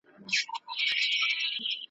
ښکلي ټولي ترهېدلي نن چینه هغسي نه ده `